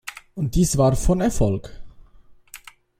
Und dies war von Erfolg.